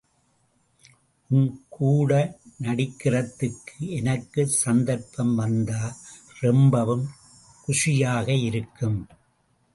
உன்கூட நடிக்கிறதுக்கு எனக்கு சந்தர்ப்பம் வந்தா, ரொம்பவும் குஷியாயிருக்கும்.